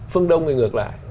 phương đông thì ngược lại